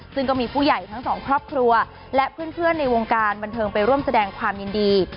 ซึ่งก็มีผู้ใหญ่ทั้งสองครอบครัวและเพื่อนในวงการบันเทิงไปร่วมแสดงความยินดี